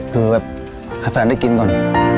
คือแบบให้แฟนได้กินก่อน